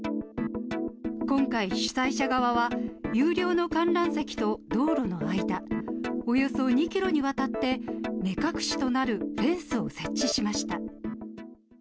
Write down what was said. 今回、主催者側は、有料の観覧席と道路の間、およそ２キロにわたって、目隠しとなるフェンスを設置しました。